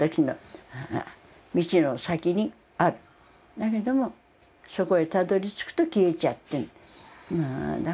だけどもそこへたどりつくと消えちゃってるんです。